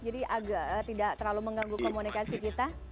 jadi agak tidak terlalu mengganggu komunikasi kita